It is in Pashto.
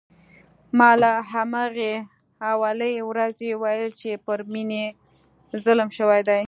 ما له همهغې اولې ورځې ویل چې پر مينې ظلم شوی دی